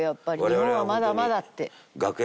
日本はまだまだ！って。